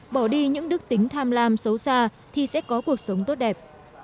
bỏ đi những đức tính tham lam xấu xa thì sẽ có cuộc sống tốt đẹp